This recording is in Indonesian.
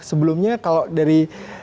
sebelumnya kalau dari